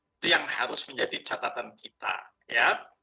itu yang harus menjadi catatan kita ya